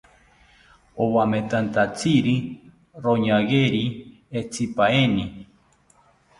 Owametanthatziri roñageri entzipaeni